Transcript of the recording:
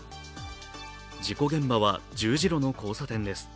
自己現場は十字路の交差点です。